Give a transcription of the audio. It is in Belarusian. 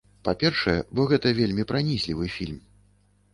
Па-першае, бо гэта вельмі пранізлівы фільм.